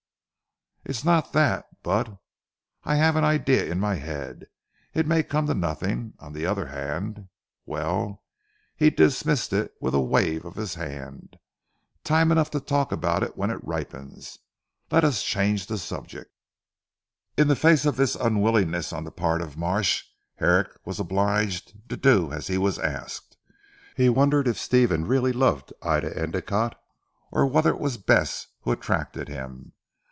"It's not that; but I have an idea in my head. It may come to nothing. On the other hand well," he dismissed it with a wave of his hand, "time enough to talk about it when it ripens. Let us change the subject." In the face of this unwillingness on the part of Marsh, Herrick was obliged to do as he was asked. He wondered if Stephen really loved Ida Endicotte or whether it was Bess who attracted him.